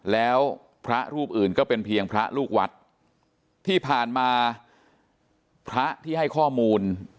แล้วพระรูปอื่นก็เป็นเพียงพระลูกวัดที่ผ่านมาพระที่ให้ข้อมูล